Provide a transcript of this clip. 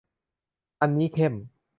อันนี้เข้ม